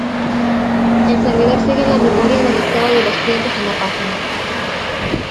El servidor sigue la memoria del estado de los clientes en la página.